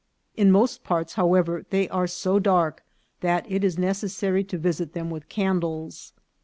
In most parts, however, they are so dark that it is necessary to visit them with candles.